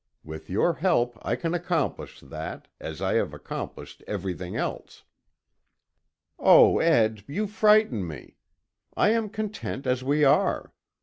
With your help I can accomplish that, as I have accomplished everything else." "Oh, Ed, you frighten me. I am content as we are.